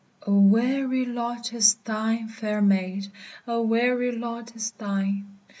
"A weary lot is thine, fair maid, A weary lot is thine!